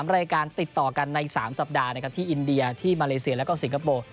รายการติดต่อกันใน๓สัปดาห์นะครับที่อินเดียที่มาเลเซียแล้วก็สิงคโปร์